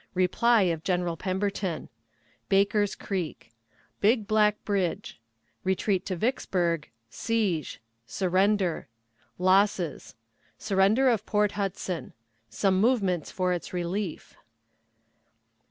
Reply of General Pemberton. Baker's Creek. Big Black Bridge. Retreat to Vicksburg. Siege. Surrender. Losses. Surrender of Port Hudson. Some Movements for its Relief.